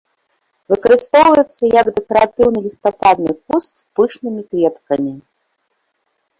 Выкарыстоўваецца, як дэкаратыўны лістападны куст з пышнымі кветкамі.